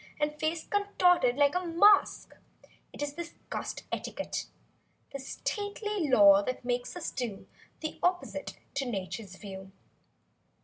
And face contorted like a mask. It is this cussed etiquette; This stately law that makes us do The opposite to Nature's view.